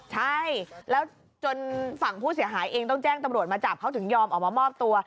ใช่แล้วจนฝั่งผู้เสียหายเองต้องแจ้งตำรวจมาจับเขาถึงยอมออกมามอบตัว